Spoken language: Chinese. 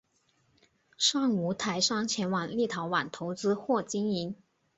尚无台商前往立陶宛投资或经营。